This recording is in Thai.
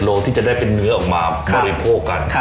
โลที่จะได้เป็นเนื้อออกมาบริโภคกัน